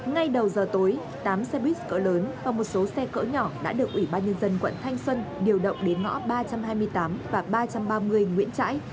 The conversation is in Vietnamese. ngay đầu giờ tối tám xe buýt cỡ lớn và một số xe cỡ nhỏ đã được ủy ban nhân dân quận thanh xuân điều động đến ngõ ba trăm hai mươi tám và ba trăm ba mươi nguyễn trãi